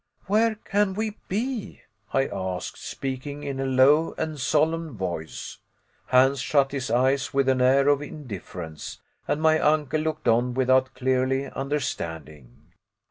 "Where can we be?" I asked, speaking in a low and solemn voice. Hans shut his eyes with an air of indifference, and my uncle looked on without clearly understanding.